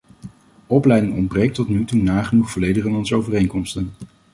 Opleiding ontbreekt tot nu toe nagenoeg volledig in onze overeenkomsten.